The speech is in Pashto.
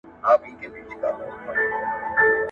هغه سړی پر وخت پوه سو او ځان يې سم کړی.